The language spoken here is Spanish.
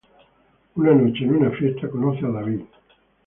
Una noche en una fiesta conoce a David.